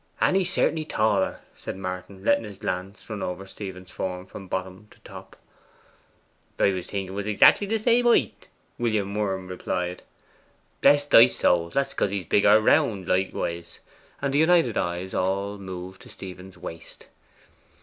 'And he's certainly taller,' said Martin, letting his glance run over Stephen's form from bottom to top. 'I was thinking 'a was exactly the same height,' Worm replied. 'Bless thy soul, that's because he's bigger round likewise.' And the united eyes all moved to Stephen's waist.